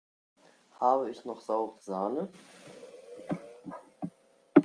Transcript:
Habe ich noch saure Sahne?